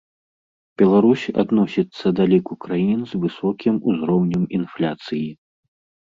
Беларусь адносіцца да ліку краін з высокім узроўнем інфляцыі.